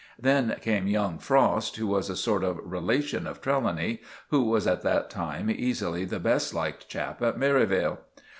Then came young Frost, who was a sort of relation of Trelawny, who was at that time easily the best liked chap at Merivale.